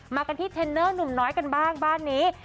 มากันที่เทรนเนอร์หนุ่มน้อยกันบ้างบ้านนี้